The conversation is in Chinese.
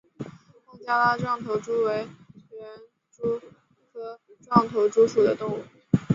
孟加拉壮头蛛为园蛛科壮头蛛属的动物。